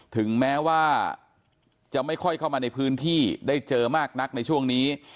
ถึงแม้ว่าจะไม่ค่อยเข้ามาในพื้นที่ได้เจอมากนักในช่วงนี้